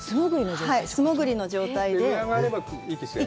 素潜りの状態ですか？